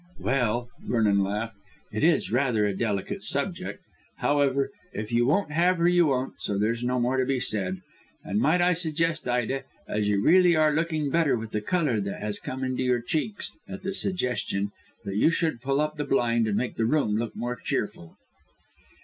"Well," Vernon laughed, "it is rather a delicate subject. However, if you won't have her you won't, so there's no more to be said. And might I suggest, Ida, as you really are looking better with the colour that has come into your cheeks at the suggestion, that you should pull up the blind and make the room look more cheerful."